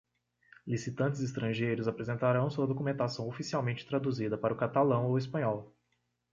Licitantes estrangeiros apresentarão sua documentação oficialmente traduzida para o catalão ou espanhol.